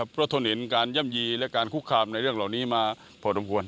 เพราะทนเห็นการย่ำยีและการคุกคามในเรื่องเหล่านี้มาพอสมควร